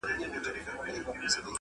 تر کور دباندي له اغیاره سره لوبي کوي،